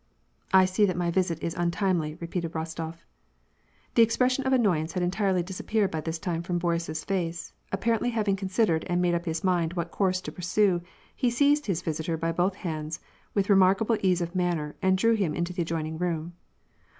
"I see that my visit is untimely," repeated Eostof. The expression of annoyance had entirely disappeared by this time from Boris's face ; apparently having considered and made up his mind what course to pursue, he seized his visitor by both hands, with remarkable ease of manner, and drew him into the adjoining room.